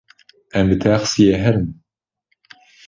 Em bi texsiyê herin?